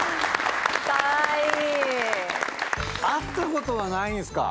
会ったことはないんすか。